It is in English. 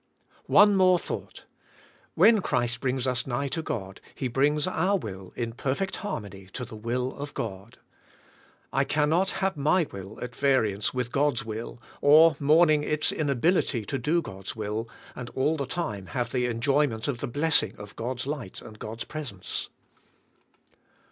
One more thought. When Christ brings us nigh to God He brings our will in perfect harmony to the will of God. I cannot have my will at variance with God's will, or mourning its inability to do God's will, and all the time have the enjoyment of the blessing of God's light and God's presence.